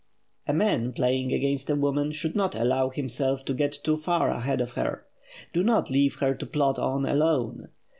A man, playing against a woman, should not allow himself to get too far ahead of her. Do not leave her to plod on alone.